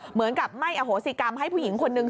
เหมือนกับไม่อโหสิกรรมให้ผู้หญิงคนนึง